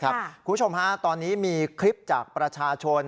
คุณผู้ชมฮะตอนนี้มีคลิปจากประชาชน